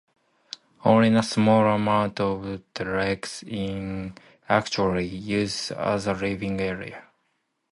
Only a small amount of the lodge is actually used as a living area.